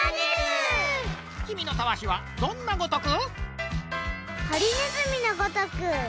きみのたわしはどんなごとく？